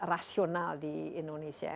rasional di indonesia